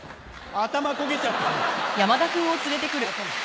頭頭焦げちゃった。